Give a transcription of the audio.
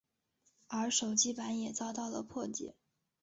而该手机版也遭到了破解。